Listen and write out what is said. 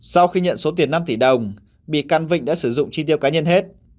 sau khi nhận số tiền năm tỷ đồng bị can vịnh đã sử dụng chi tiêu cá nhân hết